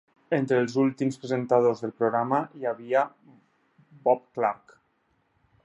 Entre els últims presentadors del programa hi havia Bob Clark.